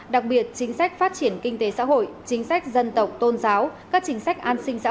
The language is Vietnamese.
đặc biệt chính sách phát triển kinh tế xã hội chính sách dân tộc tôn giáo các chính sách an sinh xã